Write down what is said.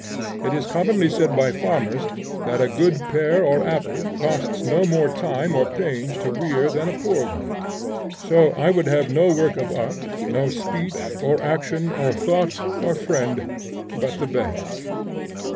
It is commonly said by farmers that a good pear or apple costs no more time or pains to rear than a poor one; so I would have no work of art, no speech, or action, or thought, or friend, but the best.